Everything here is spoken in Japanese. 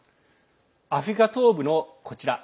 アフリカ東部のこちら。